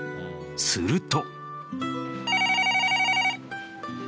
すると。